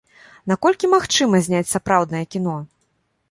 Наколькі магчыма зняць сапраўднае кіно?